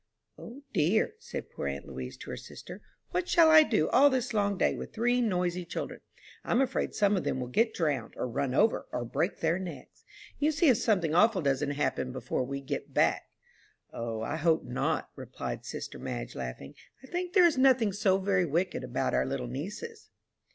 "O dear," said poor aunt Louise to her sister, "what shall I do all this long day with three noisy children? I'm afraid some of them will get drowned, or run over, or break their necks. You see if something awful doesn't happen before we get back." "O, I hope not," replied sister Madge, laughing. "I think there is nothing so very wicked about our little nieces."